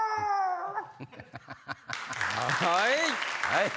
はい。